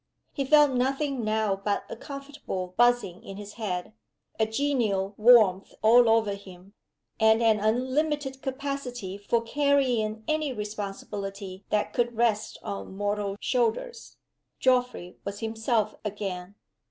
He felt nothing now but a comfortable buzzing in his head, a genial warmth all over him, and an unlimited capacity for carrying any responsibility that could rest on mortal shoulders. Geoffrey was himself again.